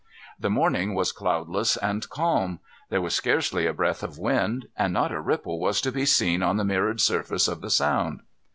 The morning was cloudless and calm. There was scarcely a breath of wind; and not a ripple was to be seen on the mirrored surface of the Sound.